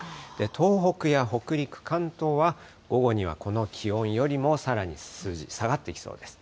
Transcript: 東北や北陸、関東は、午後にはこの気温よりもさらに数字、下がってきそうです。